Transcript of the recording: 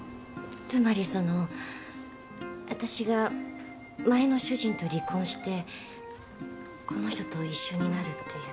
つまりそのわたしが前の主人と離婚してこの人と一緒になるっていう。